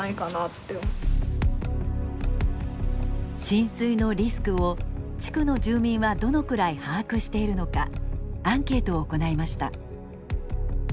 浸水のリスクを地区の住民はどのくらい把握しているのかアンケートを行いました。